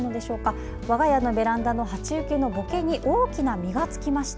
我が家のベランダの鉢受けのボケに大きな実が付きました。